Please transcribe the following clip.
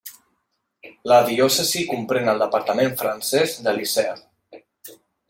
La diòcesi comprèn el departament francès de l'Isère.